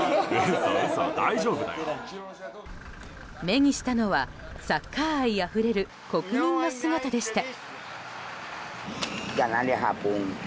目にしたのはサッカー愛あふれる国民の姿でした。